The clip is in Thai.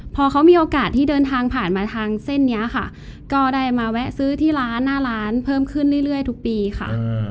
พอเขามีโอกาสที่เดินทางผ่านมาทางเส้นนี้ค่ะก็ได้มาแวะซื้อที่ร้านหน้าร้านเพิ่มขึ้นเรื่อยทุกปีค่ะ